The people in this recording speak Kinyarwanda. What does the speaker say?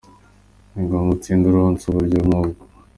Ni ngmbwa utsinde uronse uburyo nk'ubwo.